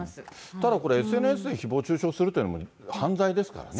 ただこれ、ＳＮＳでひぼう中傷するというのも犯罪ですからね。